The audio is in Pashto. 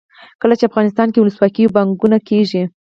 کله چې افغانستان کې ولسواکي وي پانګونه کیږي.